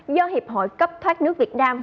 do hiệp hội cấp thoát nước việt nam